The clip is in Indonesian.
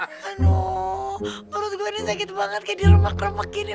ano perut gue ini sakit banget kayak di rumah krepek gini